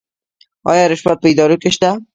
آیا رشوت په ادارو کې شته؟